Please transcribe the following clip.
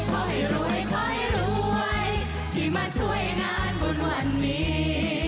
ขอให้รวยขอให้รวยที่มาช่วยงานบุญวันนี้